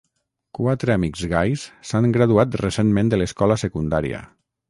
Quatre amics gais s'han graduat recentment de l'escola secundària.